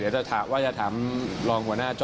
เดี๋ยวจะถามลองหัวหน้าจ๊อบ